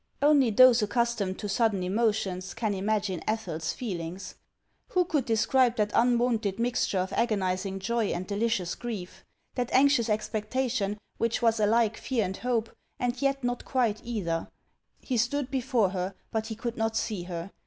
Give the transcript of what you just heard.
Only those accustomed to sudden emotions can imagine Ethel's feelings. Who could describe that unwonted mix ture of agonizing joy and delicious grief ; that anxious expectation, which was alike fear and hope, and yet not cpuite either ? He stood before her, but he could not see her.